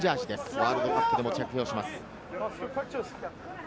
ワールドカップでも着用します。